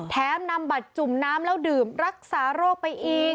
นำบัตรจุ่มน้ำแล้วดื่มรักษาโรคไปอีก